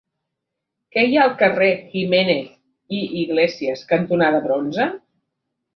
Què hi ha al carrer Jiménez i Iglesias cantonada Bronze?